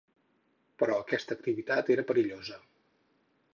Però aquesta activitat era perillosa.